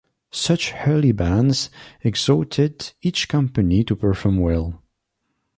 Such early banns exhorted each company to perform well.